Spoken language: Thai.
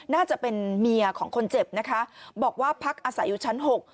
น่าจะเป็นเมียของคนเจ็บนะคะบอกว่าพักอาศัยอยู่ชั้นหก